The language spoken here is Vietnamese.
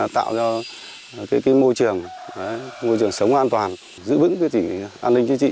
tạo cho môi trường sống an toàn giữ vững tỉnh an ninh chí trị